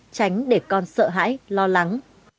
tránh để con sợ hãi lo lắng